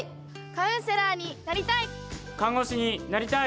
カウンセラーになりたい！